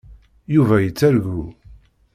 Yuba yettargu.